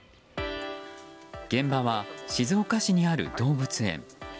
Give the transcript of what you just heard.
現場は静岡市にある動物園。